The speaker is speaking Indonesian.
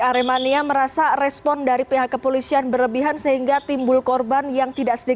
aremania merasa respon dari pihak kepolisian berlebihan sehingga timbul korban yang tidak sedikit